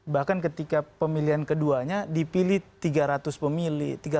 bahkan ketika pemilihan keduanya dipilih tiga ratus pemilih